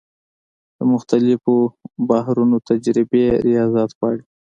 د مختلفو بحرونو تجربې ریاضت غواړي.